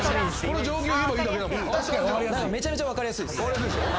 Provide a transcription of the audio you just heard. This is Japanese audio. めちゃめちゃ分かりやすいっす。